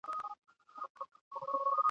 هره ورځ یې شکایت له غریبۍ وو !.